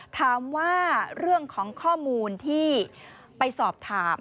ถามว่าเรื่องของข้อมูลที่ไปสอบถาม